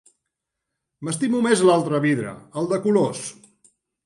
M'estimo més l'altre vidre, el de colors.